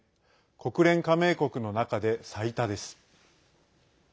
国連加盟国の中で最多です。